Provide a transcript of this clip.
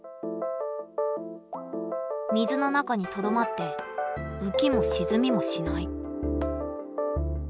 水の中にとどまって浮きも沈みもしない。